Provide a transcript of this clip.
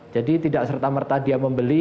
jadi tidak serta merta dia membeli